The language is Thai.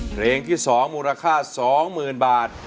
เพลงที่๒มูลค่า๒๐๐๐บาท